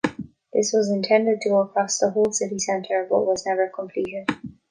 This was intended to go across the whole city centre but was never completed.